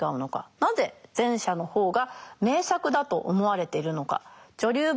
なぜ前者の方が名作だと思われているのか。